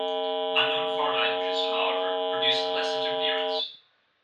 Unknown foreign languages, however, produced less interference.